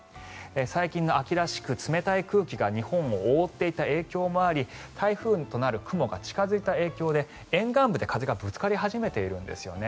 最近の、秋らしく冷たい空気が日本を覆っていた影響もあり台風となる雲が近付いた影響で沿岸部で風がぶつかり始めているんですよね。